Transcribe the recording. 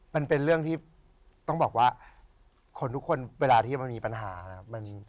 มันเป็นเรื่องที่ต้องบอกว่าคนทุกคนเวลาที่มันมีปัญหานะครับ